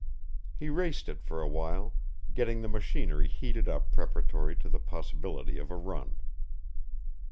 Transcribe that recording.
He raced it for a while, getting the machinery heated up preparatory to the possibility of a run.